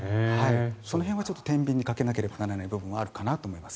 その辺はてんびんにかけなければならない部分はあるかなと思います。